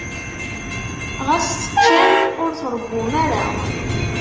Ɣas teččam, ur tṛewwum ara.